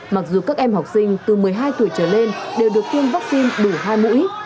mặc dù các em học sinh từ một mươi hai tuổi trở lên đều được tiêm vaccine đủ hai mũi